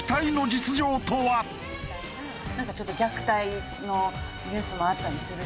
なんかちょっと虐待のニュースもあったりするし。